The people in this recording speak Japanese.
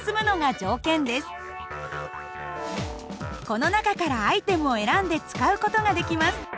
この中からアイテムを選んで使う事ができます。